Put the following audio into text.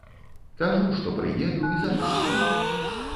Кажу, што прыеду, і запытваю.